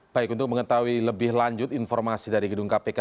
baik untuk mengetahui lebih lanjut informasi dari gedung kpk